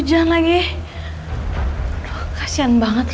kau gak bisa nungguin aku